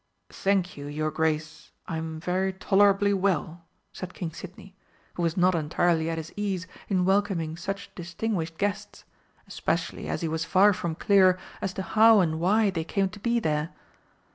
"Thank you, your Grace, I'm very tolerably well," said King Sidney, who was not entirely at his ease in welcoming such distinguished guests especially as he was far from clear as to how and why they came to be there.